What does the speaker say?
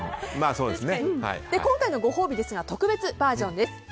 今回のご褒美ですが特別バージョンです。